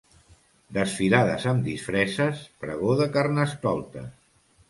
Desfilades amb disfresses, pregó de Carnestoltes.